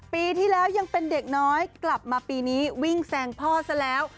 ปีที่แล้วยังเป็นเด็กน้อยกลับมาปีนี้วิ่งแซงพ่อซะแล้ว